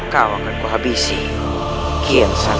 kau akan kuhabisi kian saya